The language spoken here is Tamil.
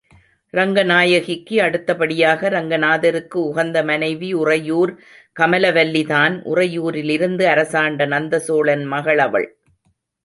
ரங்கநாயகிக்கு அடுத்த படியாக ரங்கநாதருக்கு உகந்த மனைவி உறையூர் கமலவல்லிதான், உறையூரிலிருந்து அரசாண்ட நந்தசோழன் மகள் அவள்.